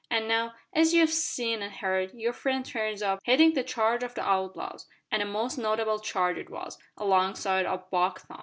An' now, as you've seen an' heard, your friend turns up headin' a charge of the outlaws an' a most notable charge it was alongside o' Buck Tom.